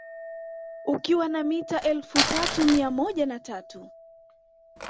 Ukiwa na mita elfu tatu mia moja na tatu